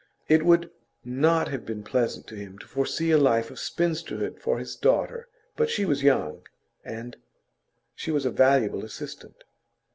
It would not have been pleasant to him to foresee a life of spinsterhood for his daughter; but she was young, and she was a valuable assistant.